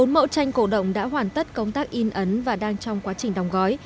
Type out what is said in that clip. bốn mẫu tranh cổ động đã hoàn tất công tác in ấn và đang trong quá trình đóng gói